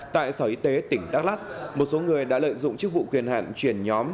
tại sở y tế tỉnh đắk lắc một số người đã lợi dụng chức vụ quyền hạn chuyển nhóm